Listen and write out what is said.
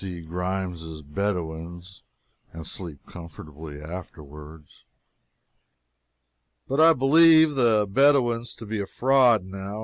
C. Grimes' Bedouins and sleep comfortably afterward. But I believe the Bedouins to be a fraud, now.